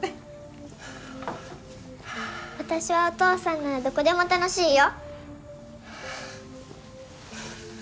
私はお父さんならどこでも楽しいよ。